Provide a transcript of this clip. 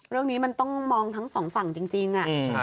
เรื่องนี้มันต้องมองทั้งสองฝั่งจริง